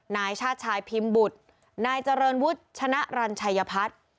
นายชาติชายพิมพ์บุตรนายเจริญวุฒิชนะรัญชัยพัฒน์